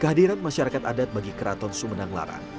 kehadiran masyarakat adat bagi keraton sumedang larang